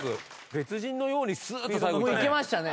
別人のようにスーッと最後いったね。